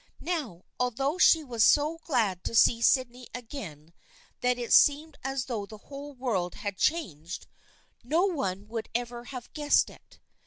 Now, although she was so glad to see Sydney again that it seemed as though the whole world had changed, no one would ever have guessed it.